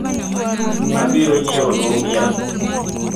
Abironyieonu niang’